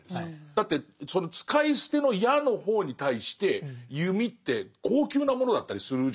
だってその使い捨ての矢の方に対して弓って高級なものだったりするじゃないですか。